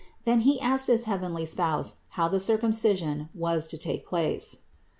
Then he asked his heavenly Spouse how the Circumcision was to take place. 521.